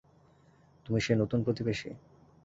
তুমি সেই নতুন প্রতিবেশী?